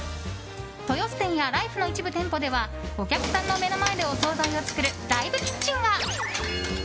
豊洲店やライフの一部店舗ではお客さんの目の前でお総菜を作るライブキッチンが。